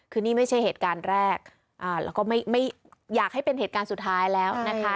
คือนี่ไม่ใช่เหตุการณ์แรกแล้วก็ไม่อยากให้เป็นเหตุการณ์สุดท้ายแล้วนะคะ